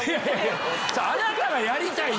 あなたがやりたい！